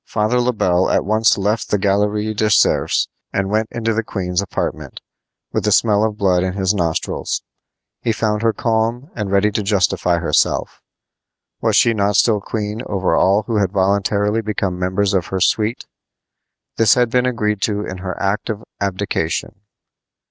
Father Le Bel at once left the Galerie des Cerfs and went into the queen's apartment, with the smell of blood in his nostrils. He found her calm and ready to justify herself. Was she not still queen over all who had voluntarily become members of her suite? This had been agreed to in her act of abdication.